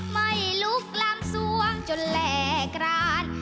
ไม่ลุกลามส่วงจนแหล่กราน